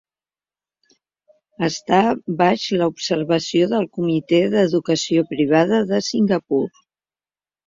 Està baix l'observació del Comitè de l'Educació Privada de Singapur.